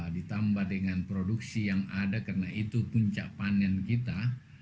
ditambah dengan produksi yang ada karena itu puncak panen kita